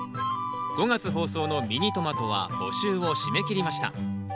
５月放送の「ミニトマト」は募集を締め切りました。